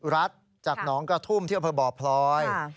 รัสจากน้องกระทุ่มเที่ยวเผื่อบ่อพลอย